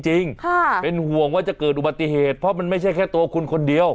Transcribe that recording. จริงค่ะเป็นห่วงว่าจะเกิดอุบัติเหตุเพราะมันไม่ใช่แค่ตัวคุณคนเดียว